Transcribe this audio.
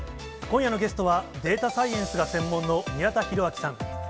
今夜のゲストは、データサイエンスが専門の宮田裕章さん。